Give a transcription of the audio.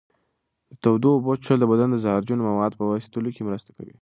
د تودو اوبو څښل د بدن د زهرجنو موادو په ویستلو کې مرسته کوي.